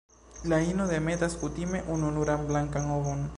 La ino demetas kutime ununuran blankan ovon.